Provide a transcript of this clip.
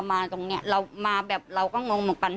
มาตรงนี้เราก็งงเหมือนกัน